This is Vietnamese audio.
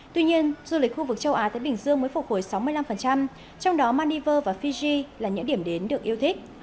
tuy nhiên du lịch khu vực châu á thái bình dương mới phục hồi sáu mươi năm trong đó maldives và fiji là những điểm đến được yêu thích